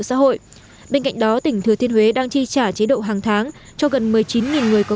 xã hội bên cạnh đó tỉnh thừa thiên huế đang chi trả chế độ hàng tháng cho gần một mươi chín người có